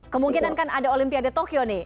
kemungkinan kan ada olimpiade tokyo nih